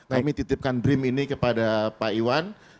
kami titipkan dream ini kepada pak iwan